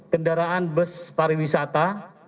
kendaraan bus pariwisata